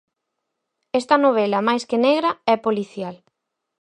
Esta novela, máis que negra, é policial.